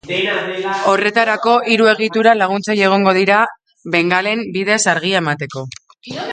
Horretarako, hiru egitura laguntzaile egongo dira bengalen bidez argia emateko.